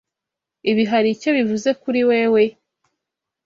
Ibi hari icyo bivuze kuri wewe?